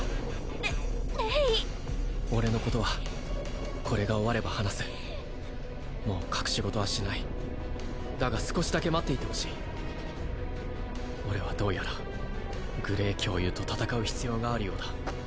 レレイ俺のことはこれが終われば話すもう隠し事はしないだが少しだけ待っていてほしい俺はどうやらグレイ教諭と戦う必要があるようだ